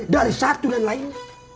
dari satu dan lain